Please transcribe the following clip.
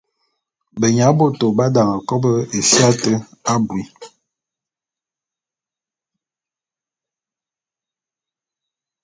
Benya bôto b’adane kòbo éfia te abui.